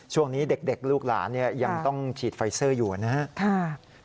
ช่วงนี้เด็กลูกหลานยังต้องฉีดไฟเซอร์อยู่นะครับ